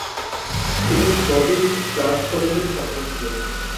তিনি Scottish church কলেজের ছাত্র ছিলেন।